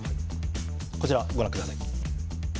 こちらをご覧ください。